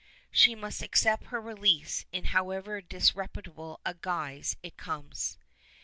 She must accept her release, in however disreputable a guise it comes.